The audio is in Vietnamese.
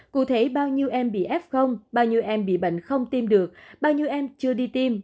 cụ thể bao nhiêu em bị f bao nhiêu em bị bệnh không tiêm được bao nhiêu em chưa đi tiêm